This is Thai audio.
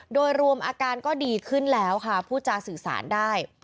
โดยรวมอาการก็ดีขึ้นแล้วค่ะผู้จาสื่อสารได้